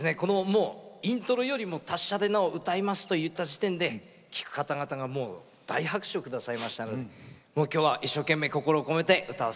イントロよりも「達者でナ」を歌いますといった時点で聴く方々がもう大拍手を下さいましたので今日は一生懸命心を込めて歌わせて頂きます。